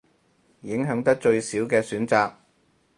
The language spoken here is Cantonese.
影響得最少嘅選擇